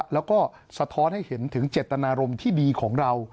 แล้วก็สะท้อนให้เห็นถึงเจตนารมณ์ที่ดีของเรา